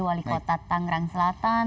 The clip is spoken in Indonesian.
wali kota tangerang selatan